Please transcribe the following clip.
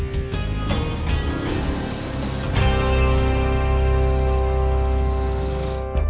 pegang orang orang kamu semua